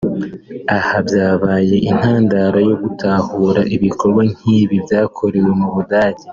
Aha byabaye intandaro yo gutahura ibikorwa nk’ibi byakorewe mu Budage